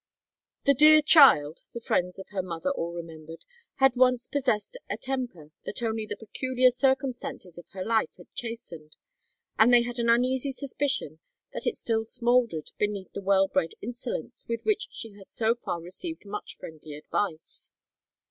"The dear child," the friends of her mother all remembered, had once possessed a temper that only the peculiar circumstances of her life had chastened, and they had an uneasy suspicion that it still smouldered beneath the well bred insolence with which she had so far received much friendly advice.